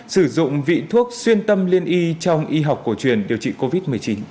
sử dụng vị thuốc xuyên tâm liên y trong y học cổ truyền điều trị covid một mươi chín